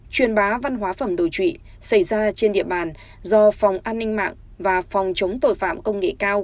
truyền bá văn hóa phẩm đồi trụy xảy ra trên địa bàn do phòng an ninh mạng và phòng chống tội phạm công nghệ cao